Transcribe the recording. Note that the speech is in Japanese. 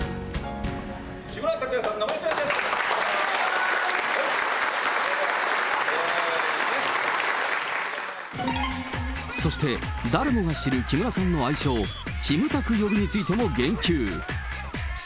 木村拓哉さん、そして、誰もが知る木村さんの愛称、キムタク呼びについても言及。